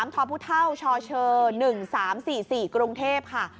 ๓ท้อพุท่าวช่อเชอ๑๓๔๔กรุงเทพฯค่ะ